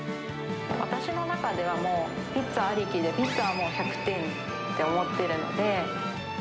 私の中ではもう、ピッツァありきで、ピッツァは１００点と思っているので。